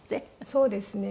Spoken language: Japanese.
そうですね。